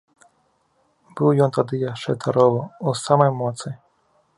Быў ён тады яшчэ здаровы, у самай моцы.